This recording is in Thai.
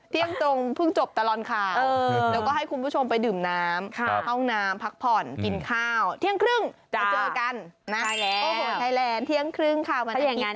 เที่ยงตรงเพิ่งจบตะลอนข่าว